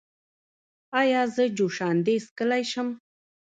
ایا زه جوشاندې څښلی شم؟